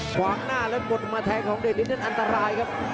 ขวางหน้าแล้วบ่นออกมาแทงของเดชฤทธินั้นอันตรายครับ